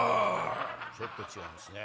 ちょっと違いますね。